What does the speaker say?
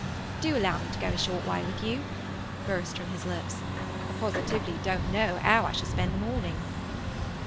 "Do allow me to go a short way with you?" burst from his lips. "I positively don't know how I shall spend the morning."